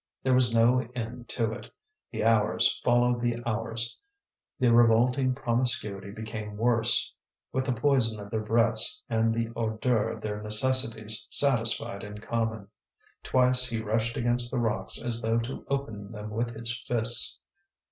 There was no end to it; the hours followed the hours; the revolting promiscuity became worse, with the poison of their breaths and the ordure of their necessities satisfied in common. Twice he rushed against the rocks as though to open them with his fists.